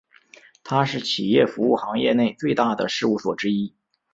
它是企业服务行业内最大的事务所之一。